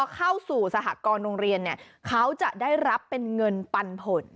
เขาจะได้รับเป็นเงินพันผล